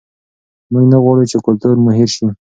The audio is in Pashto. موږ نه غواړو چې کلتور مو هېر شي.